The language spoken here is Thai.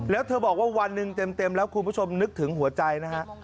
แล้วเธอบอกว่าวันหนึ่งเต็มแล้วคุณผู้ชมนึกถึงหัวใจนะฮะ